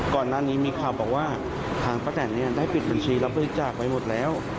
ตอนนั้นนี้มีข่าวบอกว่ามันได้ปิดบันชีรับบริจาคไว้หมดแล้ว